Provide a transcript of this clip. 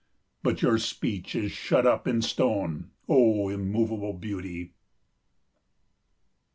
But your speech is shut up in stone, O Immovable Beauty!